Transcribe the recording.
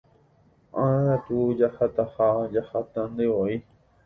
Ág̃akatu jahataha jahatantevoi.